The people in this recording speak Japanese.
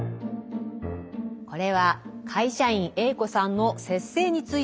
これは会社員Ａ子さんの「節制」についてのお話です。